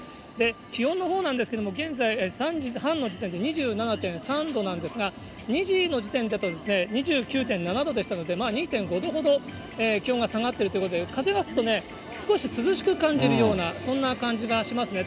気温のほうなんですけれども、現在、３時半の時点で２７．３度なんですが、２時の時点だと、２９．７度でしたので、まあ２．５度ほど気温が下がってるということで、風が吹くとね、少し涼しく感じるような、そんな感じがしますね。